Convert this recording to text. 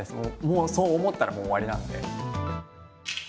そう思ったらもう終わりなので。